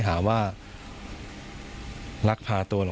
ก็ไม่ได้คิดอะไรมาก